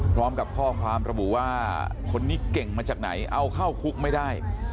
พร้อมกับข้อความระบุว่าคนนี้เก่งมาจากไหนเอาเข้าคุกไม่ได้